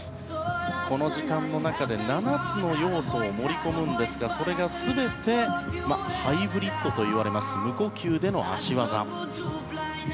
この時間の中で７つの要素を盛り込むんですがそれが全てハイブリッドと呼ばれます無呼吸での脚技。